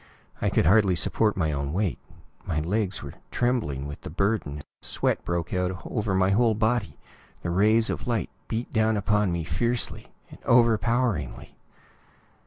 I could hardly support my own weight; my legs were trembling with the burden; sweat broke out over my whole body; the rays of light beat down upon me fiercely, overpoweringly....